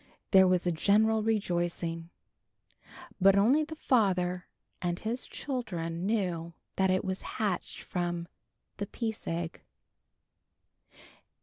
There was a general rejoicing. But only the grandfather and his children knew that it was hatched from "The Peace Egg."